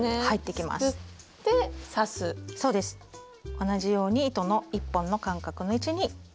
同じように糸の１本の間隔の位置に刺します。